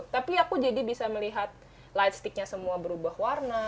tapi aku jadi bisa melihat lightsticknya semua berubah warna